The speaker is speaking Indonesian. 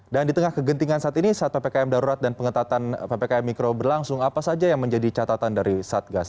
dan di tengah kegentingan saat ini saat ppkm darurat dan pengetatan ppkm mikro berlangsung apa saja yang menjadi catatan dari satgas